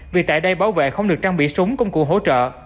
vì tại đây bảo vệ không được trang bị súng công cụ hỗ trợ